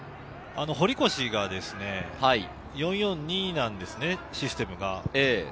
堀越が４−４−２なんですね、システムが。